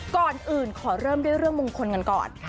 ก่อนอื่นขอเริ่มด้วยเรื่องมงคลกันก่อน